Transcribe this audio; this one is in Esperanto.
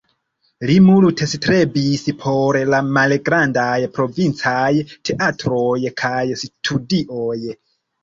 Li multe strebis por la malgrandaj provincaj teatroj kaj studioj.